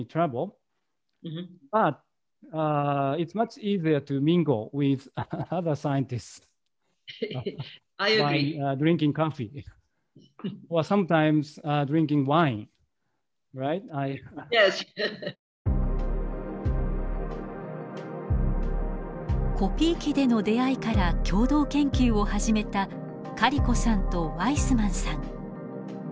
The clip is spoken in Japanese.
Ｙｅｓ．コピー機での出会いから共同研究を始めたカリコさんとワイスマンさん。